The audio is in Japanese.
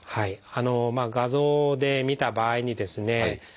画像でみた場合にですね